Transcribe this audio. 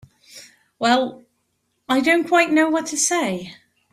Well—I don't quite know what to say.